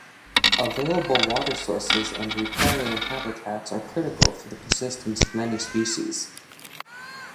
Available water sources and riparian habitats are critical for the persistence of many species.